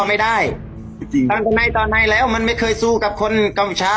ไม่ได้ตอนในตอนในแล้วมันไม่เคยสู้กับคนกำวิชา